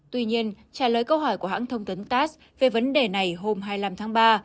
tuy nhiên trả lời câu hỏi của hãng thông tấn tass về vấn đề này hôm hai mươi năm tháng ba